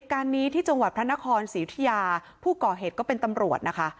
การนี้ที่จังหวัดพระนครศรีอุทิยาผู้ก่อเหตุก็เป็นตำรวจนะคะ